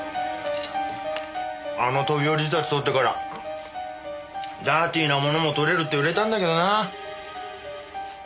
あの飛び降り自殺撮ってからダーティーなものも撮れるって売れたんだけどな。